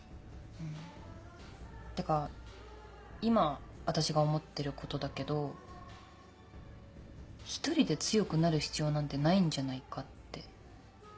てか今私が思ってることだけど１人で強くなる必要なんてないんじゃないかって。